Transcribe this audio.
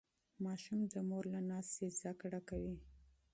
ماشوم د مور له ناستې زده کړه کوي.